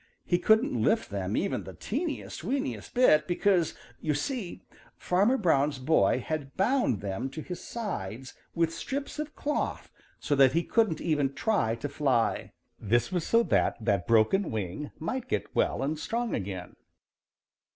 He couldn't lift them even the teeniest, weeniest bit because, you see, Farmer Brown's boy had bound them to his sides with strips of cloth so that he couldn't even try to fly. This was so that that broken wing might get well and strong again.